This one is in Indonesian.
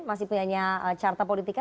masih punya carta politika